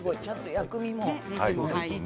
ちゃんと薬味も。